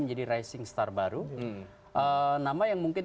menjadi rising star baru nama yang mungkin